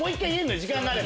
時間があれば。